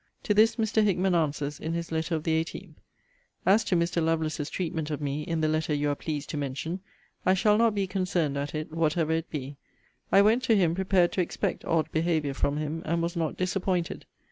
To this Mr. Hickman answers, in his letter of the 18th: 'As to Mr. Lovelace's treatment of me in the letter you are pleased to mention, I shall not be concerned at it, whatever it be. I went to him prepared to expect odd behaviour from him; and was not disappointed.